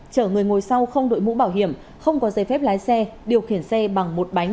chở người ngồi sau không đội mũ bảo hiểm không có giấy phép lái xe điều khiển xe bằng một bánh đối với xe hai bánh